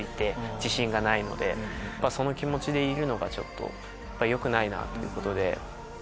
その気持ちでいるのがよくないなということで。